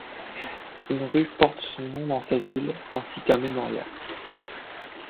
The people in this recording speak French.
Une rue porte son nom dans sa ville, ainsi qu'un mémorial.